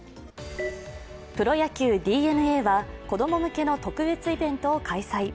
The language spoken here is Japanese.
プロ野球、ＤｅＮＡは子供向けの特別イベントを開催。